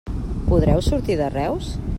Podreu sortir de Reus?